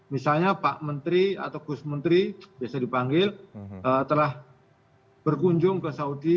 misalnya pak menteri atau gus menteri biasa dipanggil telah berkunjung ke saudi